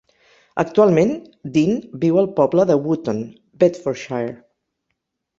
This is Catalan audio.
Actualment, Dean viu al poble de Wootton, Bedfordshire.